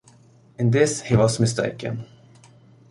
In this he was mistaken.